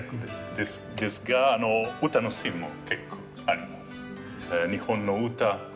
ですが歌のシーンも結構あります。